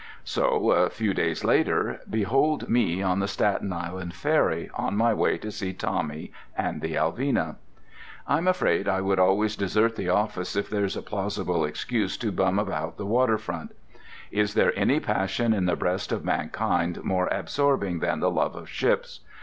So a few days later, behold me on the Staten Island ferry, on my way to see Tommy and the Alvina. I'm afraid I would always desert the office if there's a plausible excuse to bum about the waterfront. Is there any passion in the breast of mankind more absorbing than the love of ships?